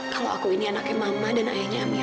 kalau saya anak mama dan ayahnya amir